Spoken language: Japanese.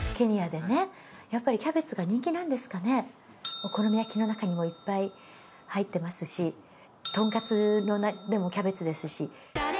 お好み焼きの中にもいっぱい入ってますしとんかつの横にもキャベツですし。